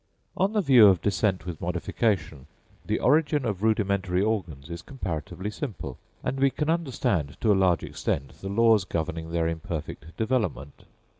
On the view of descent with modification, the origin of rudimentary organs is comparatively simple; and we can understand to a large extent the laws governing their imperfect development.